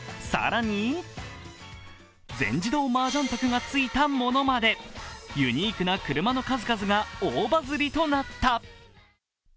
更に全自動マージャン卓がついたものまでユニークな車の数々が大バズリとなった。